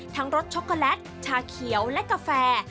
รสช็อกโกแลตชาเขียวและกาแฟ